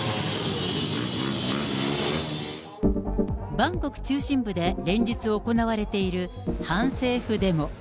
バンコク中心部で連日行われている反政府デモ。